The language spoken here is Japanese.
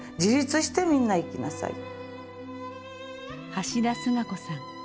橋田壽賀子さん。